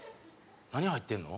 何入ってんの？